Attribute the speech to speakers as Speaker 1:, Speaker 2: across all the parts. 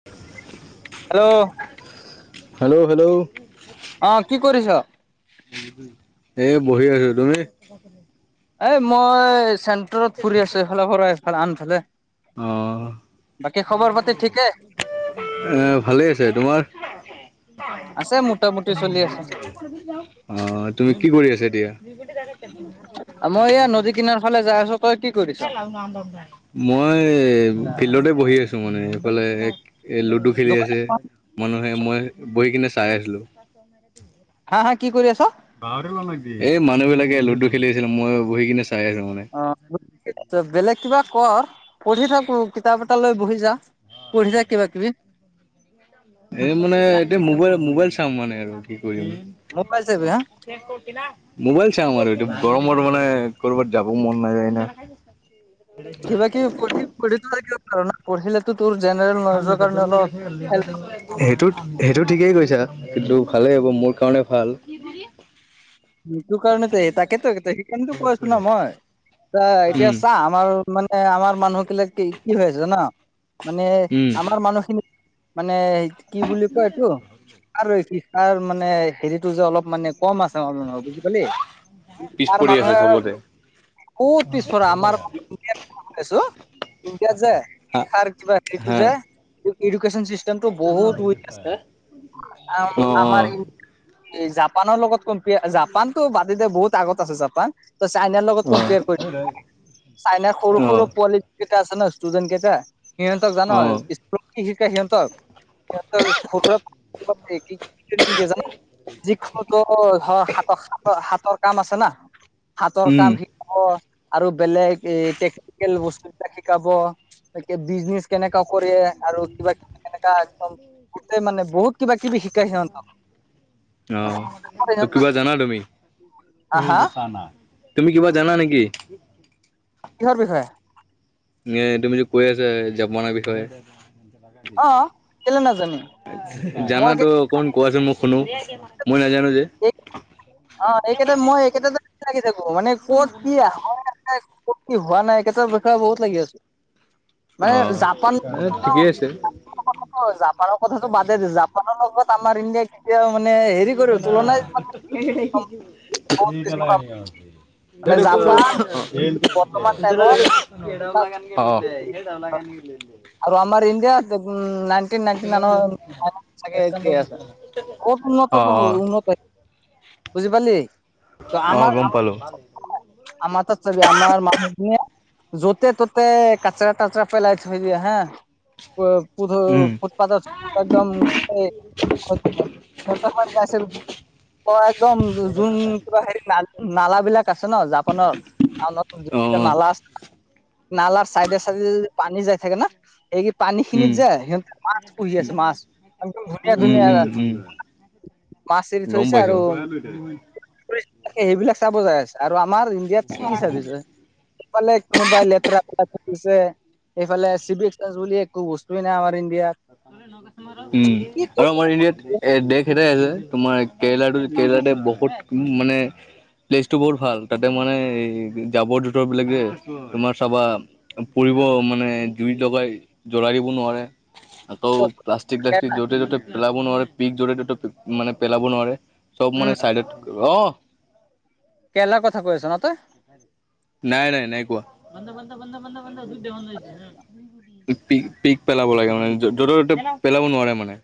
Speaker 1: [inaudible]
Speaker 2: Hello.
Speaker 1: Hello hello.
Speaker 2: অ' কি কৰিছ।
Speaker 1: এ বহি আছো, তুমি? [inaudible]
Speaker 2: এই মই চেণ্টাৰত ফুৰি আছো, এইফালে পৰা এইফালে আনফালে
Speaker 1: অ'।
Speaker 2: বাকী খবৰ-পাতি ঠিকে?
Speaker 1: এ ভালে আছে, তোমাৰ?
Speaker 2: আছে মোটামুটি চলি আছে
Speaker 1: অ' তুমি কি কৰি আছা, এতিয়া। ডাইৰেক্ট দেখোন।
Speaker 2: মই এয়া নদী কিনাৰ ফালে যাই আছো। তই কি কৰিছ
Speaker 1: [unintelligible] মই ফিল্ডতে বহি আছো মানে, এফালে এ লুডু খেলি
Speaker 2: দোকান
Speaker 1: আছে। মানুহে মই বহি কিনে চাই আছিলো। [inaudible]
Speaker 2: হা, হা কি কৰি আছা?
Speaker 1: পাহৰি মানুহ যি, এই মানুহ বিলাকে লুডু খেলি আছে ন, মইও বহি কিনে চাই আছো মানে।
Speaker 2: অ বেলেগ কিবা কৰ পঢ়ি থাকো কিতাপ এটা লৈ বহি যা পঢ়িছা কিবা-কিবি
Speaker 1: এই মানে এতিয়া মোবাইল মোবাইল চাম মানে আৰু কি কৰিম
Speaker 2: মোবাইল চাবি হা
Speaker 1: মোবাইল চাওঁ আৰু এইটো গৰমত মানে কৰবাত যাবও মন নাযায় না [unintelligible]
Speaker 2: বাকী সতিক ন পঢ়িলো তোৰ জেনেৰেল নলেজৰ কাৰণে অলপ হেল্প,
Speaker 1: [unintelligible] সেইটোত সেইটো ঠিকেই কৈছা কিন্তু ভালেই হ'ব মোৰ কাৰণে ভাল
Speaker 2: সেইটো কাৰণে তাকেতো সেইকাৰণে কৈ আছো ন মই এ এতিয়া
Speaker 1: উম
Speaker 2: চা আমাৰ মানে আমাৰ মানুহ কিলাক কি কি হৈ আছে জানো মানে
Speaker 1: উম
Speaker 2: আমাৰ মানুহ খিনি মানে কি বুলি কয় ইটো আৰু কি তাৰ মানে হেৰিটো যে অলপ মানে কম আছে ওজনত বুজি পালি
Speaker 1: পিছ
Speaker 2: তাৰ
Speaker 1: পৰি আছে
Speaker 2: মানুহে
Speaker 1: চবতে।
Speaker 2: বহুত পিছপৰা আমাৰ আছো ইণ্ডিয়াত যে শিকাৰ কিবা ইটো
Speaker 1: হা
Speaker 2: যে এডুকেশন চিছ কুইসনটো বহুত উই আ
Speaker 1: অ
Speaker 2: আমাৰ ই ই জাপানৰ লগত কম্পি জাপানতো বাদে দিয়া বহুত আগত আছে জাপান ত চাইনাৰ লগত
Speaker 1: অ অ
Speaker 2: কম্পেয়াৰ কৰি চাইনাৰ সৰু সৰু
Speaker 1: অ
Speaker 2: পোৱালী কেইটা আছে ন ষ্টুডেণ্ট কেইটা সিহঁতক জানো
Speaker 1: অ
Speaker 2: স্কুলত কি শিকাই সিহঁতক [unintelligible] হাটো হতো হাতৰ কাম আছে না হাতৰ কাম
Speaker 1: উম
Speaker 2: ম আৰু বেলেগ টেকনিকেল বস্তুবিলাক শিকাব তাকে বিজনেচ কেনেকা কৰে আৰু কিবা কেনেকা একদম গোটেই মানে বহুত কিবা কিবি শিকাই সিহঁতক
Speaker 1: আহ ত
Speaker 2: সিহঁতক
Speaker 1: 'কিবা জানা তুমি এই
Speaker 2: হা
Speaker 1: যে তুমি কিবা জানা নেকি?
Speaker 2: কিহৰ বিষয়ে
Speaker 1: এ তুমি যে কৈ আছে জাপানাৰ বিষয়ে
Speaker 2: অ কেলে নাজানে
Speaker 1: জানাতো অকনমান কোৱাচোন মোক শুনো মই নাজানো যে
Speaker 2: এই অঁ এইকেইতা মই এইকেইটা যে চিনাকি থাকো মানে কত কি আহুং। ক'ত কি হোৱা নাই একেইটাৰ বিষয়ে বহুত লাগি আছো।
Speaker 1: অ
Speaker 2: মানে জাপান
Speaker 1: এ
Speaker 2: ঘটনা
Speaker 1: ঠিকেই আছে
Speaker 2: হল। জাপানৰ কথাটো বাদে দে জাপানৰ লগত আমাৰ ইণ্ডিয়াই কেতিয়াও মানে হেৰি কৰি তুলনাই
Speaker 1: [unintelligible]
Speaker 2: মানে জাপান বৰ্তমান টাইমত
Speaker 1: [unintelligible]
Speaker 2: আৰু আমাৰ ইণ্ডিয়া আছে উম নাইন নাইনটি নাইনৰ আৰু চাগে এতিয়াও আছা, বহুত
Speaker 1: অ অ
Speaker 2: উন্নত উন্নতি হয় বুজি পালি ত
Speaker 1: অ
Speaker 2: আমাৰ
Speaker 1: গম
Speaker 2: আমাৰ
Speaker 1: পালো
Speaker 2: আমাৰ তাত চাবি, আমাৰ মানুখিনিয়ে য'তে ত'তে কাচৰা তাচৰা পেলাই থৈ দিয়ে হা। পই
Speaker 1: উম
Speaker 2: ফুটপাথ ফুটপাথত একদম এই [unintelligible] অ একদম যোন কিবা হেৰিত নালা বিলাক আছে ন জাম্প খনৰ, অঁ যি
Speaker 1: অ
Speaker 2: কেইটা নলা আছে নালাৰ চাইডে চাইডে পানী যায় থাকে না। এই কি পানী
Speaker 1: উম
Speaker 2: খিনিত যে সিহঁতে মাছ পুহি আছে মাছ। একদম ধুনীয়া
Speaker 1: উম
Speaker 2: ধুনীয়া
Speaker 1: উম উম
Speaker 2: মাছ এৰি
Speaker 1: গম
Speaker 2: থৈছে আৰু
Speaker 1: পাইছো
Speaker 2: সেইবিলাক চাব যায় আছে আৰু, আমাৰ ইণ্ডিয়াত কি চাবি যায়। এইফালে কোনোবাই লেতেৰা পেলাই থৈ দিছে এইফালে চিভিক চেন্স বুলি একো বস্তুৱে নাই। আমাৰ ইণ্ডিয়াত
Speaker 1: উম,
Speaker 2: কি
Speaker 1: আৰু
Speaker 2: কৰিবি
Speaker 1: আমাৰ এৰিয়াত এ দেশ এটাই আছে, তোমাৰ কেৰেলাটো কেৰেলাতে বহুত মানে প্লেচ টো বহুত ভাল, তাতে মানে এই জাবৰ জোথৰ বিলাকে তোমাৰ চাবা পৰিব মানে জুই জ্বলাই জ্বলাই দিব নোৱাৰে। আকৌ
Speaker 2: ক'ত।
Speaker 1: প্লাষ্টিক চালষ্টিলক য'তে য'তে পেলাব নোৱাৰে পিক যতে ততে মানে পেলাব নোৱাৰে, চব
Speaker 2: উম
Speaker 1: মানে চাইডত অঁ
Speaker 2: কেৰেলাৰ কথা কৈ আছ ন তই।
Speaker 1: নাই নাই নাই কোৱা। পিক পিক পেলাব লাগে মানে য'তে ত'তে পেলাব নোৱাৰে মানে।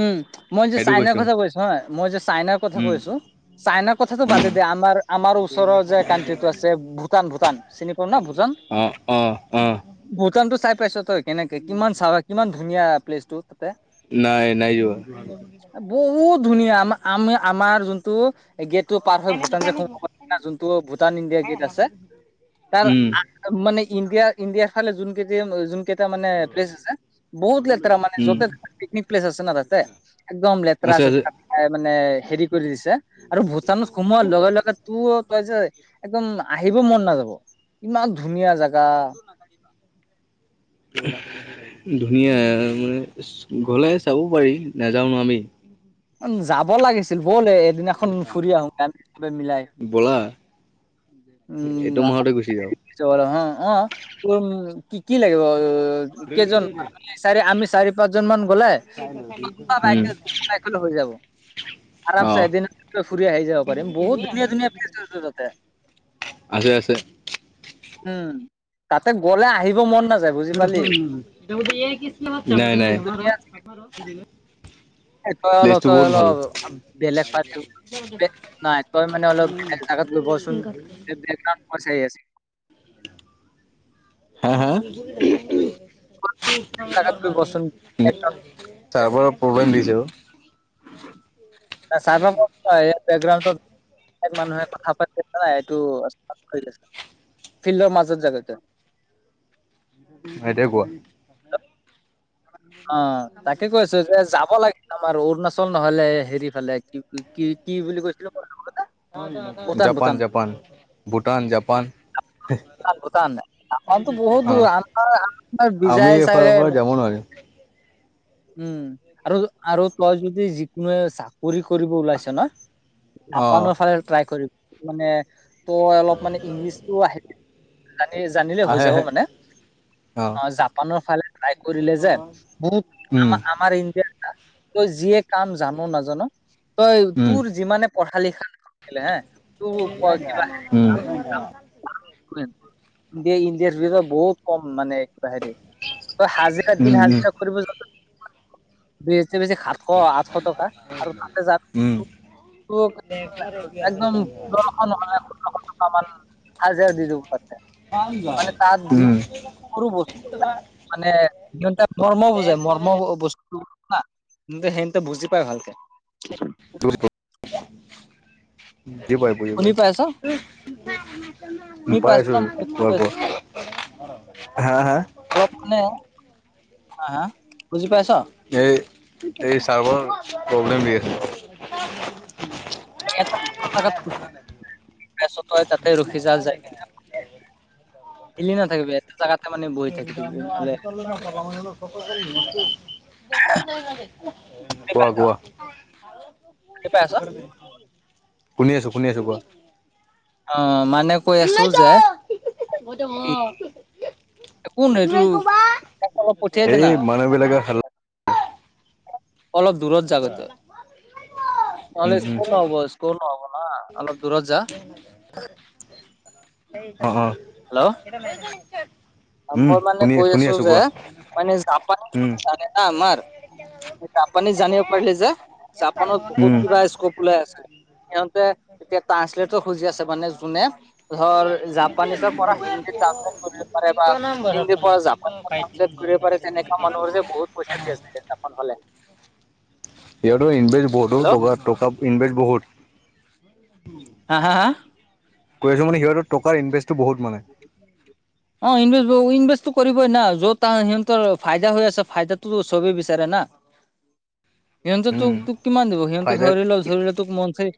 Speaker 2: উম মই যে চাইনাৰ কথা কৈছো হা মই যে চাইনাৰ কথা
Speaker 1: উম
Speaker 2: কৈছো। চাইনাৰ কথাটো
Speaker 1: উম
Speaker 2: বাদেই দে, আমাৰ আমাৰ ওচৰৰ যে কানণ্ট্ৰিটো আছে ভূটান ভূটান চিনি পোৱা নে ভূটান।
Speaker 1: অ অ অ
Speaker 2: ভূটানতটো চাই পাইছ তই কেনেকে কিমান চাব কিমান ধুনীয়া প্লেচ টো তাতে।
Speaker 1: নাই নাই যোৱা।
Speaker 2: বহুত ধুনীয়া, আম আমি আমাৰ যোনটো এই গেটটো পাৰ হৈ ভূটান যে সোম যোনটো ভূটান ইণ্ডিয়া গেট আছে, তাৰ
Speaker 1: উম
Speaker 2: মানে ইণ্ডিয়া ইণ্ডিয়াৰ ফালে যোন কেইট যোন কেইটা মানে প্লেছ আছে। বহুত লেতেৰা মানে
Speaker 1: উম
Speaker 2: যতে পিকনিক প্লেছ আছে ন তাতে, একদম লেতেৰা
Speaker 1: আছে আছে
Speaker 2: চেতেৰা। এ মানে হেৰি কৰি দিছে, আৰু ভূটানত সোমোৱাৰ লগে লগে তোৰ তই যে একদম আহিব মন নাযাব ইমান ধুনীয়া জেগা।
Speaker 1: ধুনীয়া মানে গ'লে চাব পাৰি নেযাওঁ ন আমি।
Speaker 2: উ যাব লাগিছিল ব'ল এদিনাখন ফুৰি আহোগৈ আমি চবে মিলাই।
Speaker 1: বলা এইটো মাহতে গুচি যাওঁ
Speaker 2: [unintelligible]
Speaker 1: দে দে দে দে
Speaker 2: আমি আমি চাৰি পাঁচ জন মান গ'লে বাইক
Speaker 1: উম
Speaker 2: হ'লেও হৈ যাব।
Speaker 1: অ
Speaker 2: আৰামচে এদিন ফুৰি আহি যাব পাৰিম বহুত ধুনীয়া ধুনীয়া প্লেচ আছে তাতে।
Speaker 1: আছে আছে।
Speaker 2: উম তাতে গ'লে আহিব মন নাযায়। বুজি পালি
Speaker 1: নাই নাই।
Speaker 2: এ তই অলপ
Speaker 1: প্লেচটো
Speaker 2: তই
Speaker 1: বহুত
Speaker 2: অলপ
Speaker 1: ভাল
Speaker 2: বেলেগ ফালে নাই তই মানে অলপ বেলেগ জাগাত গৈ বহ চোন বেকগ্ৰাউণ্ড আৱাজ আহি আছে।
Speaker 1: হা হা?
Speaker 2: বেলেগ জাগাত গৈ বচোন চাই পাব
Speaker 1: ছাৰ্ভাৰৰ প্ৰব্লেম দিছে ঔ।
Speaker 2: ছাৰ্ভাৰ প্ৰব্লেম নহয় এইটো বেকগ্ৰাউণ্ডত বেলেগ মানুহে কথা পাতি‌ আছে না এইটো ফিল্ডৰ মাজত যাগৈ তই।
Speaker 1: এটিয়া কোৱা।
Speaker 2: অঁ তাকে কৈ আছো যে যাব লাগে আমাৰ অৰুণাচল নহলে হেৰি ফালে কি কি কি বুলি কৈছিলো মই [unintelligible] Bhutan
Speaker 1: Japan
Speaker 2: Bhutan
Speaker 1: Japan Bhutan Japan.
Speaker 2: Bhutan আমাৰতো বহুত
Speaker 1: অ
Speaker 2: দূৰ আমাৰ আমাৰ
Speaker 1: আমি
Speaker 2: বিজাই
Speaker 1: এইফালৰ
Speaker 2: চাগে
Speaker 1: পৰা যাব নোৱাৰিম
Speaker 2: উম আৰু আৰু তই যদি যিকোনো চাকৰি কৰিব ওলাইছ ন
Speaker 1: অ
Speaker 2: জাপানৰ ফালে ট্ৰাই কৰিবি মানে তই অলপ মানে ইংলিছটো জানি জানিলে হৈ
Speaker 1: আহে
Speaker 2: যাব
Speaker 1: আহে
Speaker 2: মানে
Speaker 1: অ
Speaker 2: অঁ জাপানৰ ফালে ট্ৰাই কৰিলে যে বহুত
Speaker 1: উম
Speaker 2: আমাৰ তই যিয়ে কাম জান' নাজান' তই
Speaker 1: উম
Speaker 2: তোৰ যিমানে পঢ়া লিখা নাছিলে হে তোৰ
Speaker 1: উম।
Speaker 2: দে ইণ্ডিয়াৰ ভিতৰত বহুত কম মানে এক হেৰি তই হাজিৰা লেকিন
Speaker 1: উম
Speaker 2: হাজিৰা কৰিব [unintelligible] অঁ আঠশ টকা আৰু তাতে
Speaker 1: উম
Speaker 2: [unintelligible] তোৰ একদম ষোল্লশ নহয় সোতৰশ টকা মান হাজিৰা দি দিব পাৰে মানে তাত
Speaker 1: উম
Speaker 2: যি
Speaker 1: উম
Speaker 2: কোনো বস্তু মানে সিহঁতে মৰমো বুজে মৰম বস্তু সিহঁতে বুজি পায় ভালকে।
Speaker 1: বুজি পাই বুজি
Speaker 2: শুনি
Speaker 1: পাই।
Speaker 2: পাইছ শুনি
Speaker 1: পাই
Speaker 2: পাইছ
Speaker 1: আছো
Speaker 2: ন মই কি
Speaker 1: কোৱা
Speaker 2: কৈ
Speaker 1: কোৱা।
Speaker 2: আছো?
Speaker 1: হা হা?
Speaker 2: অলপ নে হা হা? বুজি পাইছ
Speaker 1: এই এই ছাৰ্ভাৰ প্ৰব্লেম দি আছে।
Speaker 2: [unintelligible] তই তাতে ৰখি যা যায় কিনে হিলি নাথাকিবি এটা জাগাতে মানে বহি থাকি দিবি নহ'লে
Speaker 1: [unintelligible] কোৱা কোৱা। শুনি
Speaker 2: শুনি পাইছ
Speaker 1: আছো শুনি আছো, কোৱা।
Speaker 2: অঁ মানে কৈ আছো যে ই কোন
Speaker 1: [inaudible]
Speaker 2: এইটো তাক অলপ পঠিয়াই দে
Speaker 1: এই
Speaker 2: না
Speaker 1: মানুহ বিলাকে হাল্লা
Speaker 2: অলপ দূৰত জাগৈ তই,
Speaker 1: উম
Speaker 2: নহলে
Speaker 1: উম
Speaker 2: একো ন'হব একৌ নহ'ব না অলপ দূৰত যা। হেল্ল'
Speaker 1: [inaudible]
Speaker 2: মই মানে
Speaker 1: শুনি
Speaker 2: কৈ
Speaker 1: শুনি
Speaker 2: আছো যে,
Speaker 1: কোৱা
Speaker 2: মানে জাপান
Speaker 1: উম
Speaker 2: জানে না আমাৰ জাপানীত জানিব পাৰিলে যে, জাপানত বহুত
Speaker 1: উম
Speaker 2: কিবা স্কোপ ওলাই আছে। সিহঁতে এতিয়া ট্ৰানঞ্চলেটৰ খুজি আছে, মানে যোনে ধৰ জাপানিজৰ পৰা হিন্দী ট্ৰানঞ্চলেট কৰিব পাৰে বা হিন্দী পৰা জাপান পাওঁতে ঘুৰি আহিব পাৰে তেনেকা মানু্হৰ যে বহুত পইচাত দি আছে জাপান ফালে। [inaudible]
Speaker 1: সিহতেও ইনভেষ্ট বহুতো
Speaker 2: হেল্ল'
Speaker 1: টকা টকা ইনভেষ্ট বহুত।
Speaker 2: হা হা হা
Speaker 1: কৈ আছো মানে সিহঁতৰ টকাৰ ইনভেষ্ট বহুত মানে।
Speaker 2: [inaudible] অঁ ইনভেচ বহু ইনভেষ্টটো কৰিবই না য'ত সিহঁতৰ ফাইদা হৈ আছে ফাইদাটো চবেই বিচাৰে না। সিহঁতে তোক
Speaker 1: উম
Speaker 2: তোক কিমান দিব সিহঁত
Speaker 1: ফাইদাৰ
Speaker 2: ধৰি ল ধৰিল তোক মনথলি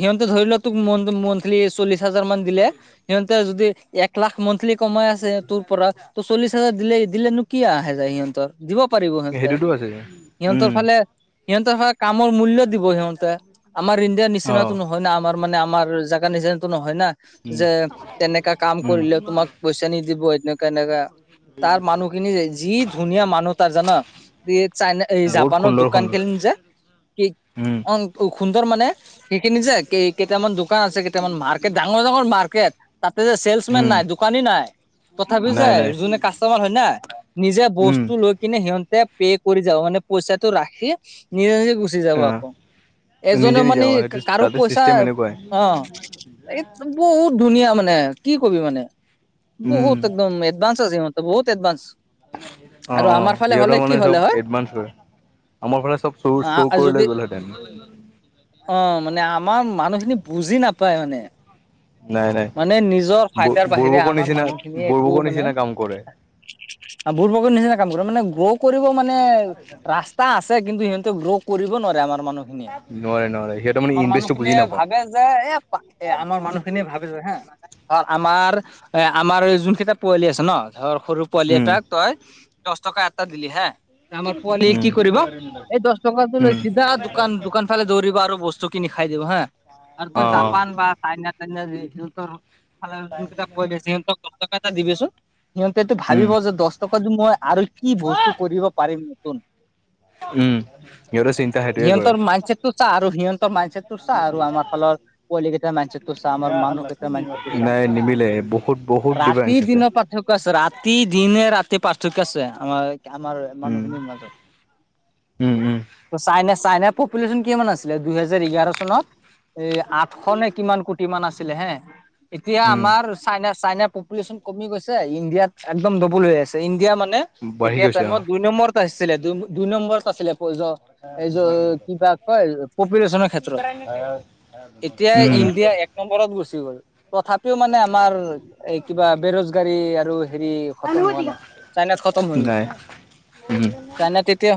Speaker 2: সিহঁতে ধৰি লোৱা তোক মন্ত মান্তলি চল্লিশ হাজাৰ মান দিলে। সিহঁতে যদি এক লাখ মন্থলি কমাই আছে তোৰ পৰা, ত চল্লিশ হাজাৰ দিলে দিলেনো কি আহে যায় সিহঁতৰ। দিব পাৰিব সিহঁতে।
Speaker 1: সেইটোতো আছে
Speaker 2: সিহঁতৰ
Speaker 1: উম
Speaker 2: ফালে সিহঁতে হয় কামৰ মূল্য দিব সিহঁতে, আমাৰ ইণ্ডিয়া
Speaker 1: অ
Speaker 2: নিচিনাতো ন হয় না আমাৰ মানে আমাৰ জেগা নিচিনা নহয় না,
Speaker 1: উম
Speaker 2: যে তেনেকা কাম
Speaker 1: উম
Speaker 2: কৰিলে তোমাক পইচা নিদিব এনেকা এনেকা। তাৰ মানুহখিনি যে, যি ধুনীয়া মানুহ তাৰ জান। চাইনা
Speaker 1: বহুত
Speaker 2: জাপানৰ
Speaker 1: সুন্দৰ
Speaker 2: দোকান
Speaker 1: সুন্দৰ
Speaker 2: খিনি যে কি
Speaker 1: উম
Speaker 2: অঁ সুন্দৰ মানে সেইখিনি যে কেইটামান দোকান আছে, কেইটামান মাৰ্কেট ডাঙৰ ডাঙৰ মাৰ্কেট। তাতে যে চেলচ মেন
Speaker 1: উম
Speaker 2: নাই। দো কানী নাই তথাপিও যে,
Speaker 1: নাই নাই
Speaker 2: যোনে কাষ্টমাৰ হয় না নিজে
Speaker 1: উম
Speaker 2: বস্ত লৈ কিনে সিহঁতে পে' কৰি যাব, মানে পইচাটো ৰাখে নিজে নিজে গূচি চি যাব
Speaker 1: অ
Speaker 2: আকৌ। এজনে
Speaker 1: নিজে নিজে
Speaker 2: মানে
Speaker 1: অ সেইটো
Speaker 2: কাৰো
Speaker 1: তাতে
Speaker 2: পইচা
Speaker 1: চিষ্টেম এনেকুৱাই
Speaker 2: অঁ এই বহুত ধুনীয়া মানে, কি কবি মানে।
Speaker 1: উম
Speaker 2: বহুত একদম এডভান্স আছে, ইহঁতে বহুত এডভান্স। আৰু
Speaker 1: অঁ অঁ
Speaker 2: আমাৰ ফালে হলে
Speaker 1: সিহঁতৰ
Speaker 2: কি
Speaker 1: মানে
Speaker 2: হলে
Speaker 1: চব
Speaker 2: হয়
Speaker 1: এটভাঞ্চ হয়। আমাৰ ফালে চব চুৰ চুৰ কৰি লৈ গ'লহেতেন।
Speaker 2: অঁ, মানে আমাৰ মানুহখিনি বুজি নাপায় মানে।
Speaker 1: নাই নাই
Speaker 2: মানে নিজৰ
Speaker 1: ব
Speaker 2: ফাইদাৰ বাহিৰে
Speaker 1: বৰবকৰ
Speaker 2: আমাৰ
Speaker 1: নিচিনা
Speaker 2: মানুহখিনি একো
Speaker 1: বৰবকৰ
Speaker 2: মানে
Speaker 1: নিচিনা কাম কৰে
Speaker 2: বুৰ্বকৰ নিচিনা কাম কৰে, মানে গ্ৰ' কৰিব মানে ৰাস্ত তা আছে, কিন্তু সিহঁতে গ্ৰ' কৰিব নোৱাৰে আমাৰ মানুহখিনিয়ে।
Speaker 1: নোৱাৰে নোৱাৰে সিহঁতে মানে
Speaker 2: আমাৰ
Speaker 1: ইনভেষ্টটো বুজি
Speaker 2: মানুহখিনিয়ে
Speaker 1: নাপায়
Speaker 2: ভাবে যে এ এ আমাৰ মানুহ খিনিয়ে ভাবিছে হা আমাৰ এ আমাৰ এই যোনকেইটা পোৱালি আছে ন, ধৰ সৰু পোৱালি
Speaker 1: উম
Speaker 2: এটাক তই দশ টকা এটা দিলি বা। আমাৰ পোৱালী কি
Speaker 1: উম
Speaker 2: কৰিব এই দশ টকাটো লৈ
Speaker 1: উম
Speaker 2: চিধা দোকান দোকান ফালে দৌৰিব আৰু বস্তু কিনি খাই দিব হা। আৰু
Speaker 1: অ
Speaker 2: তোৰ
Speaker 1: অ
Speaker 2: জাপান বা চাইনা টাইনা যি সিহঁতৰ ফালে যোনকেইটা পোৱালী আছে সিহঁতক দশ টকা এটা দিবিচোন। সিহঁতেটো
Speaker 1: উম
Speaker 2: ভাবিব যে দশ টকাটো মই আৰু কি বস্তু কৰিব পাৰিম নতুন।
Speaker 1: উম' সিঁহতে চিন
Speaker 2: সিহঁতৰ মাইণ্ডছেটটো চা আৰু সিহঁতৰ মাইণ্ডছেটটো আৰু আমাৰ ফালৰ পোৱালীকেইটাৰ মাইণ্ডচেটো চা আমাৰ মানুহ কেইটাৰ মাইণ্ড ছেটটো চা।
Speaker 1: নাই নিমিলে বহুত বহুত
Speaker 2: ৰাতি
Speaker 1: ডিফাৰেঞ্চ আছে
Speaker 2: দিনৰ পাৰ্থক্য আছে, ৰাতি, দিনে-ৰাতি পাৰ্থক্য আছে আমাৰ আমাৰ
Speaker 1: উম
Speaker 2: মানুহখিনিৰ মাজত।
Speaker 1: উম উম
Speaker 2: চাই-চাইনাৰ পপুলেশ্যন কিমান আছিলে দুহেজাৰ এঘাৰ চনত? এ' আঠশ নে কিমান কোটি মান আছিলে হে। এতিয়া আমাৰ চাইন-চাইনাৰ পপুলেশচন কমি গৈছে। ইণ্ডিয়াত একদম ডবল হৈ আছে। ইণ্ডিয়া মানে
Speaker 1: উম বাঢ়ি
Speaker 2: তেতিয়া
Speaker 1: গৈছে অ
Speaker 2: টাইমত দুই নম্বৰত আছিলে। দু-দুই নম্বৰত আছিলে। এই কিবা কয় পপুলেশ্যনৰ ক্ষেত্ৰত। এতিয়া
Speaker 1: উম
Speaker 2: ইণ্ডিয়া নম্বৰত গুচি গ'ল। তথাপিও মানে আমাৰ এই কিবা বেৰোজগাৰী আৰু হেৰি খতম হোৱা নাই, চাইনাত খতম হৈ গ'ল।
Speaker 1: নাই উম
Speaker 2: চাইনাত তেতিয়া,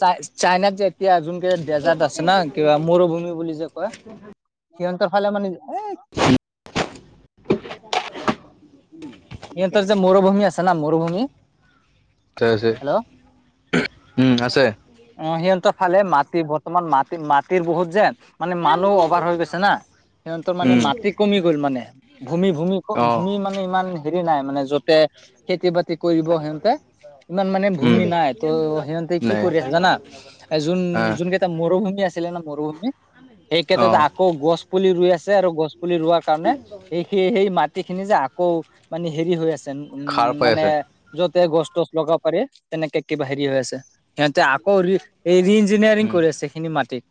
Speaker 2: চা-চাইনাত এতিয়া ডেজাৰ্ট আছে না কিবা মৰুভূমি বুলি যে কয় সিহঁতৰ ফালে মানে এ।
Speaker 1: [unintelligible]
Speaker 2: সিঁহতৰ যে মৰুভূমি আছে না মৰুভূমি
Speaker 1: আছে
Speaker 2: হেল্ল'
Speaker 1: উম' আছে।
Speaker 2: অ' সিহঁতৰ ফালে মাটি, বৰ্তমান মাটি-মাটিৰ বহুত যে মানে মানুহ অভাৰ হৈ গৈছে না, সিহঁতৰ মানে
Speaker 1: উম
Speaker 2: মাটি কমি গ'ল মানে।
Speaker 1: অ
Speaker 2: ভূমি-ভূমি-ভূমি মানে ইমান হেৰি নাই। মানে যতে খেতি-বাতি কৰিব সিহঁতে। ইমান মানে
Speaker 1: উম
Speaker 2: ভূমি নাই ত' সিঁহতে কি
Speaker 1: নাই
Speaker 2: কৰি আছে জানা এ জোন
Speaker 1: আহ
Speaker 2: জোন মৰুভূমি আছিলে ন' মৰুভূমি সেই
Speaker 1: অ
Speaker 2: ক্ষেত্ৰত আকৌ গছ পুলি ৰুই আছে আৰু গছ পুলি ৰোৱা কাৰনে সেই-সেই মাটি খিনি যে আকৌ মানে হেৰি হৈ আছে। উম
Speaker 1: খাৰ পাই
Speaker 2: মানে
Speaker 1: আছে
Speaker 2: যতে গছ-তছ লগাব পাৰি তেনেকে কিবা হেৰি হৈ আছে। সিহঁতে আকৌ এই ৰি-ইঞ্জিনিয়াৰিং
Speaker 1: উম
Speaker 2: কৰি আছে সেইখিনি মাটিত।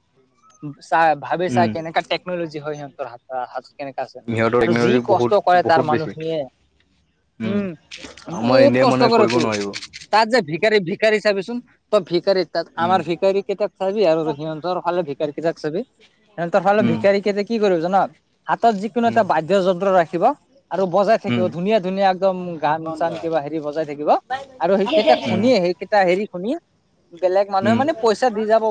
Speaker 2: চাই ভাবি চাই
Speaker 1: উম
Speaker 2: কেনেকা টেকনলজি হয় সিহঁতৰ হাত- হাত কেনেকা আছে
Speaker 1: সিহঁতৰ
Speaker 2: আৰু যি
Speaker 1: টেকন'লজি
Speaker 2: কষ্ট
Speaker 1: বহুত
Speaker 2: কৰে তাৰ
Speaker 1: বহুত বেছি
Speaker 2: মানুহখিনিয়ে। উম'
Speaker 1: আমাৰ
Speaker 2: বহুত
Speaker 1: ইণ্ডিয়াৰ
Speaker 2: কষ্ট
Speaker 1: মানুহে
Speaker 2: কৰে
Speaker 1: কৰিব
Speaker 2: তোৰ।
Speaker 1: নোৱাৰিব
Speaker 2: তাত যে ভিক্ষাৰী-ভিক্ষাৰী চাবিচোন তই ভিক্ষাৰী তাত
Speaker 1: উম
Speaker 2: আ' ভিক্ষাৰী কেইটা চাবি আৰু সিহঁতৰ ফালে ভিক্ষাৰী কেইটাক চাবি সিহঁতৰ ফালে
Speaker 1: উম
Speaker 2: ভিক্ষাৰী কেইটা কি কৰিব জান' হাতত যিকোনো
Speaker 1: উম
Speaker 2: এটা বাদ্য যন্ত্ৰ ৰাখিব আৰু বজাই থাকিব
Speaker 1: উম
Speaker 2: ধুনীয়া-ধুনীয়া একদম গান-চান কিবা হেৰি বজাই থাকিব আৰু সেইকেইটা
Speaker 1: উম
Speaker 2: শুনিয়ে সেইকেইটা হেৰি শুনি বেলেগ মানুহে
Speaker 1: উম
Speaker 2: মানে পইচা দি যাব